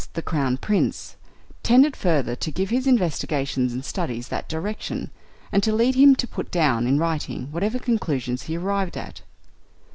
the Crown Prince, tended further to give his investigations and studies that direction, and to lead him to put down in writing whatever conclusions he arrived at.